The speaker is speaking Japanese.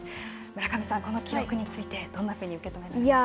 村上さん、この記録についてどんなふうに受け止めましたか。